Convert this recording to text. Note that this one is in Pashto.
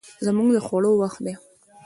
زموږ د خوړو وخت دی